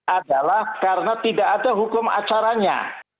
adalah karena tidak ada hukum acaranya